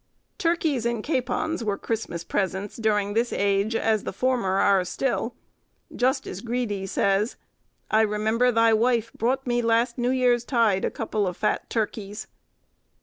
Turkeys and capons were Christmas presents during this age, as the former are still: Justice Greedy says,— "...... I remember thy wife brought me, Last New Year's tide, a couple of fat turkeys."